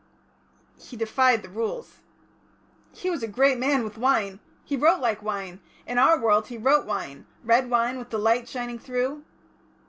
"He defied the Rules." "He was a great man with wine. He wrote like wine; in our world he wrote wine; red wine with the light shining through."